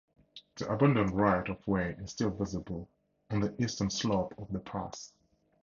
The abandoned right-of-way is still visible on the eastern slope of the pass.